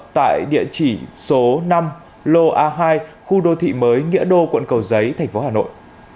tại địa chỉ số năm lô a hai khu đô thị mới nghĩa đô quận cầu giấy thành phố hà nội